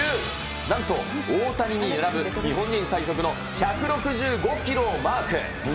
なんと大谷に並ぶ日本人最速の１６５キロをマーク。